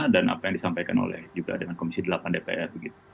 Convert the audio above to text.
dan apa yang disampaikan oleh juga dengan komisi delapan dpr gitu